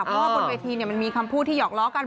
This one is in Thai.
เพราะว่าบนเวทีมันมีคำพูดที่หอกล้อกัน